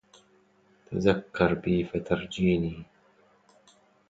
تذكر بي فترجيني